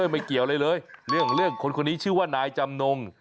ไม่เกี่ยวอะไรเลยเรื่องคนคนนี้ชื่อว่านายจำนง